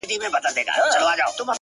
د طبیعت په تقاضاوو کي یې دل و ول کړم!!